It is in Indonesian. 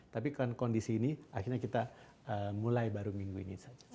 tapi kondisi ini akhirnya kita mulai baru minggu ini saja